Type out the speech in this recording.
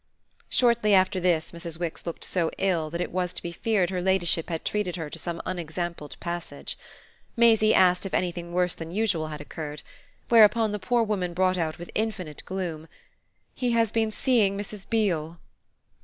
Shortly after this Mrs. Wix looked so ill that it was to be feared her ladyship had treated her to some unexampled passage. Maisie asked if anything worse than usual had occurred; whereupon the poor woman brought out with infinite gloom: "He has been seeing Mrs. Beale."